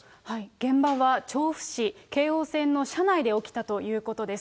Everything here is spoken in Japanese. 現場は調布市、京王線の車内で起きたということです。